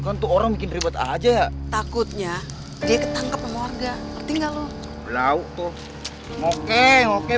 kan tuh orang bikin ribet aja takutnya dia ketangkep sama warga tertinggal lauk tuh oke oke